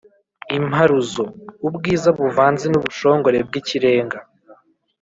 imparuzo: ubwiza buvanze n’ubushongore bw’ikirenga